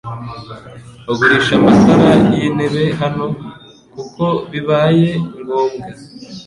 Ugurisha amatara yintebe hano kuko bibaye ngombwa